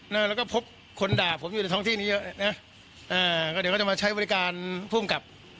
แล้วก็พบคนด่าผมอยู่ในท้องที่นี้เยอะนะอ่าก็เดี๋ยวเราจะมาใช้บริการภูมิกับ